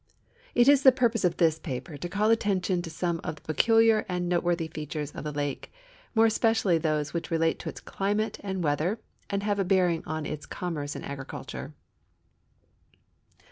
It is the ])urpose of this pai)er to call attention to some of the })eculiar and noteworthy features of the lake, more especially those which relate to its climate and wcntlicr and have a bearing on its conunerce and agriculture.